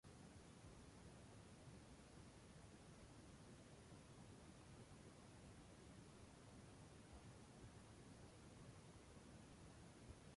Esta nueva estación recoge el testigo y se reserva el derecho de emisión.